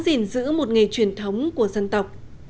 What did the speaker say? cố gắng gìn giữ một nghề truyền thống của dân tộc